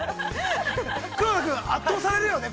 黒田君、圧倒的されるよね